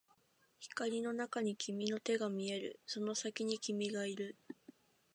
光の中に君の手が見える、その先に君がいる